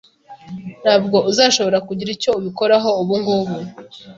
Ntabwo uzashobora kugira icyo ubikoraho ubungubu.